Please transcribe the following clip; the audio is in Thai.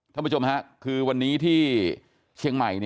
ท่านผู้ชมครับคือวันนี้ที่เชียงใหม่